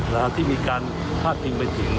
แล้วที่มีการพาดพิงไปถึง